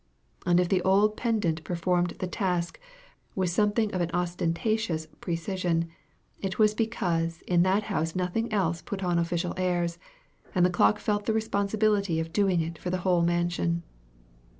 And if the old pedant performed the task with something of an ostentatious precision, it was because in that house nothing else put on official airs, and the clock felt the responsibility of doing it for the whole mansion.